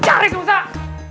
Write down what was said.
cari si usah